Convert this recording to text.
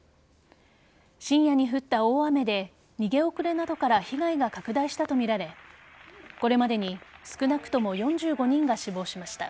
深夜に降った大雨で逃げ遅れなどから被害が拡大したとみられこれまでに少なくとも４５人が死亡しました。